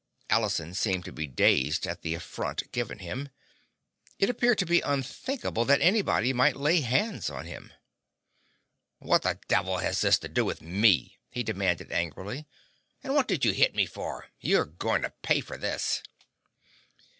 Allison seemed to be dazed at the affront given him. It appeared to be unthinkable that anybody might lay hands on him. "What the devil has that to do with me?" he demanded angrily. "And what did you hit me for? You're going to pay for this!"